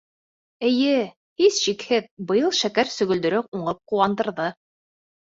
Эйе, һис шикһеҙ, быйыл шәкәр сөгөлдөрө уңып ҡыуандырҙы.